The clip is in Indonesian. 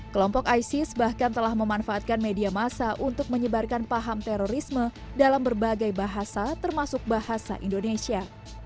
kelompok isis bahkan telah memanfaatkan media masa untuk menyebarkan paham terorisme dalam berbagai bahasa termasuk bahasa indonesia